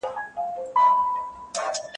د ښاغلي نجیب شریف په ښکلي ږغ کي